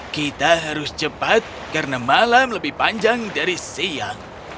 kita harus cepat karena malam lebih panjang dari siang